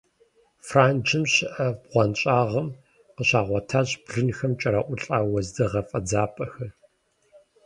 Франджым щыӀэ бгъуэнщӀагъым къыщагъуэтащ блынхэм кӀэрыӀулӀа уэздыгъэ фӀэдзапӀэхэр.